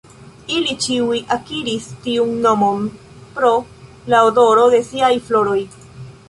Ili ĉiuj akiris tiun nomon pro la odoro de siaj floroj.